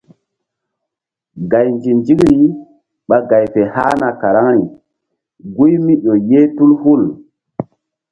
Gay nzi-nzikri ɓa gay fe hahna karaŋri guy mí ƴo ye tul hul.